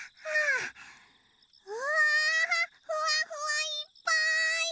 うわふわふわいっぱい！